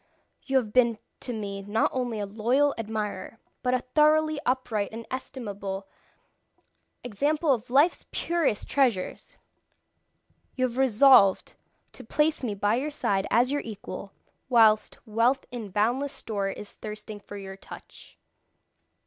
You have been to me not only a loyal admirer, but a thoroughly upright and estimable example of life's purest treasures. You have resolved to place me by your side as your equal, whilst wealth in boundless store is thirsting for your touch.